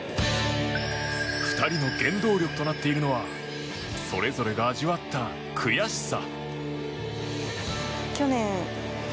２人の原動力となっているのはそれぞれが味わった悔しさ。